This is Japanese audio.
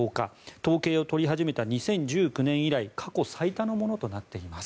統計を取り始めた２０１９年以来過去最多のものとなっています。